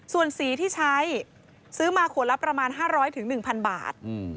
ส่วนสีที่ใช้ซื้อมาขวดละประมาณ๕๐๐๑๐๐บาท